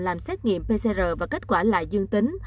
làm xét nghiệm pcr và kết quả lại dương tính